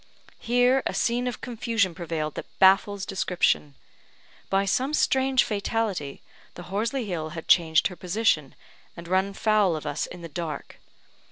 Here a scene of confusion prevailed that baffles description. By some strange fatality, the Horsley Hill had changed her position, and run foul of us in the dark.